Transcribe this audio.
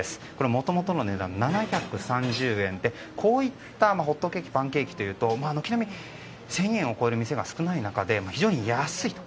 もともとの値段７３０円でこういったホットケーキパンケーキというと１０００円を超える店が少ない中で非常に安いと。